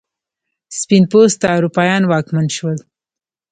سپین پوسته اروپایان واکمن شول.